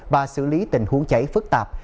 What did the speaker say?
và xử lý tình huống cháy phức tạp